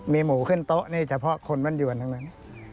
มีหมูขึ้นโต๊ะนี่เฉพาะคนมั่นยวนทั้งนั้น